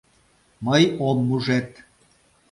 — Мый ом мужед.